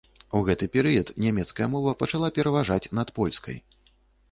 У гэты перыяд нямецкая мова пачала пераважаць над польскай.